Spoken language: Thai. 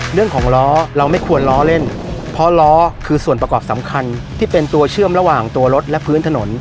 เรื่องของล้อเราไม่ควรล้อเล่นเพราะล้อคือส่วนประกอบสำคัญที่เป็นตัวเชื่อมระหว่างตัวรถและพื้นถนน